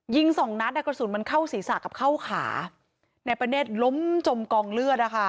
สองนัดอ่ะกระสุนมันเข้าศีรษะกับเข้าขานายประเนธล้มจมกองเลือดนะคะ